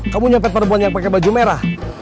kamu nyopet perempuan yang pakai baju merah